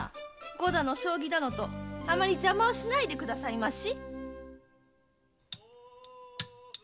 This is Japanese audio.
碁だの将棋だのとあまり邪魔をしないでくださいまし！